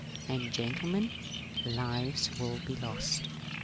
And, gentle men, lives will be lost."